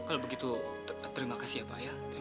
kalau mama tuh jangan emosi dong